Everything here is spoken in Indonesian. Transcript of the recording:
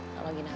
kalau gini apa